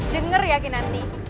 dengar ya kinanti